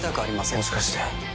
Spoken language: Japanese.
もしかして。